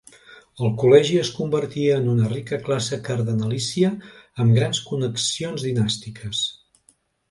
El Col·legi es convertí en una rica classe cardenalícia, amb grans connexions dinàstiques.